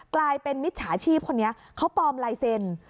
กลายเป็นมิจฉาชีพคนนี้เขาปลอมลายเซ็น